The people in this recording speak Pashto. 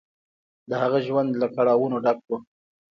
د هغه ژوند له کړاوونو ډک و.